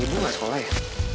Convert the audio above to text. eh anak ibu gak sekolah ya